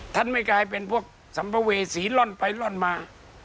ท่านไม่กลายเป็นพวกสัมภเวษีล่อนไปล่อนมา